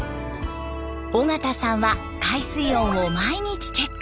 尾形さんは海水温を毎日チェック。